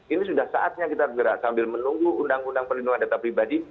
ini sudah saatnya kita bergerak sambil menunggu undang undang perlindungan data pribadi